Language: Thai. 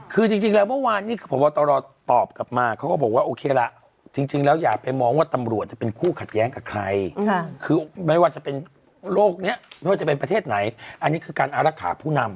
คือจริงแล้วเมื่อวานนี้คือพบตรตอบกลับมาเขาก็บอกว่าโอเคละจริงแล้วอย่าไปมองว่าตำรวจจะเป็นคู่ขัดแย้งกับใครคือไม่ว่าจะเป็นโรคนี้ไม่ว่าจะเป็นประเทศไหนอันนี้คือการอารักษาผู้นำ